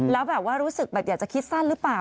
แล้วแบบว่ารู้สึกแบบอยากจะคิดสั้นหรือเปล่า